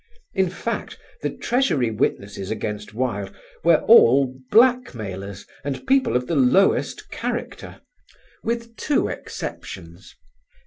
In fact the Treasury witnesses against Wilde were all blackmailers and people of the lowest character, with two exceptions.